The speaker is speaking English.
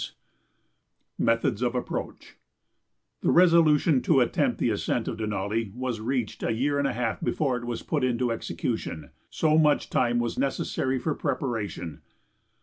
[Sidenote: Methods of Approach] The resolution to attempt the ascent of Denali was reached a year and a half before it was put into execution: so much time was necessary for preparation.